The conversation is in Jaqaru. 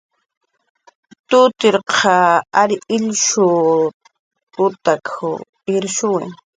"Tutirtaq ary illnushut"" p""ut irshuwi"